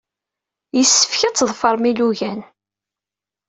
Yessefk ad tḍefrem ilugan.